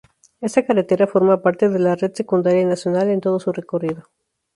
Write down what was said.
Esta carretera forma parte de la red secundaria nacional en todo su recorrido.